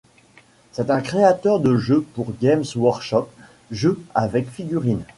C'est un créateur de jeux pour Games Workshop, jeux avec figurines.